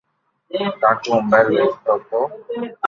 ڪاڪو موبائل ويچتو ھتو